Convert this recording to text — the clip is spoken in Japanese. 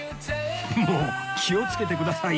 もう気をつけてくださいよ！